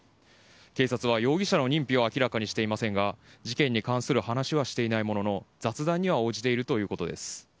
警察は容疑者の認否を明らかにしていませんが事件に関する話はしていないものの雑談には応じているということです。